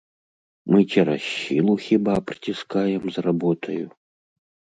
Мы цераз сілу хіба прыціскаем з работаю?